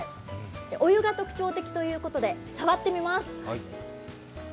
お湯が特徴的ということで触ってみます。